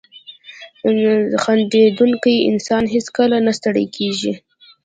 • خندېدونکی انسان هیڅکله نه ستړی کېږي.